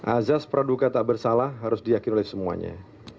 azaz praduka tak bersalah harus diakini oleh semuanya